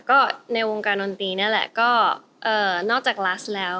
ก็ในการนอนตีนั่นแหละนอกจากลักษณ์ออกแล้ว